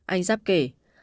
anh giáp kể